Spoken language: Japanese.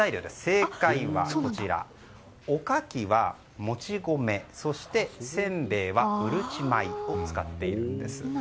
正解はおかきは、もち米そして、せんべいはうるち米を使っているんです。